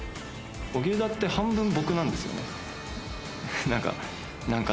荻生田って半分僕なんですよね。